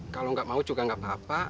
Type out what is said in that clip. kalau gak mau juga gak apa apa